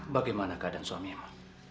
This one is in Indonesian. bagaimana keadaan suamimu